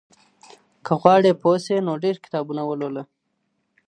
که غواړې پوه سې نو ډېر کتابونه ولوله.